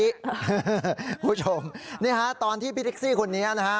คุณผู้ชมนี่ฮะตอนที่พี่แท็กซี่คนนี้นะฮะ